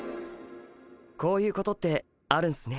こういうことってあるんすね。